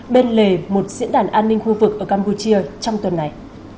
bên lề một diễn đàn an ninh khu vực ở campuchia trong tuần này